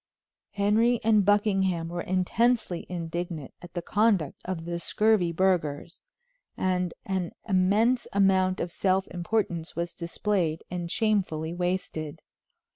Henry and Buckingham were intensely indignant at the conduct of the scurvy burghers, and an immense amount of self importance was displayed and shamefully wasted.